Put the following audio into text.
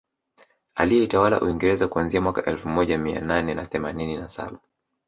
Aliyeitawala Uingereza kuanzia mwaka elfu moja Mia nane na themanini na saba